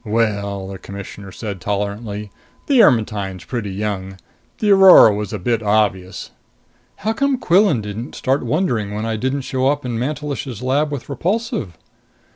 "Well," the Commissioner said tolerantly, "the Ermetyne's pretty young. The Aurora was a bit obvious." "How come Quillan didn't start wondering when I didn't show up in Mantelish's lab with Repulsive?"